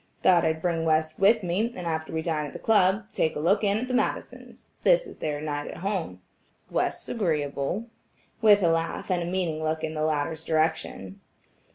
"Thought I'd bring West with me, and after we dine at the club, take a look in at the Madisons, this is their at home night. West's agreeable," with a laugh and a meaning look in the latter's direction.